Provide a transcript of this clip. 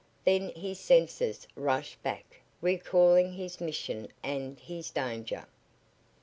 Then his senses rushed back, recalling his mission and his danger.